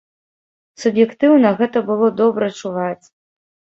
Суб'ектыўна, гэта было добра чуваць.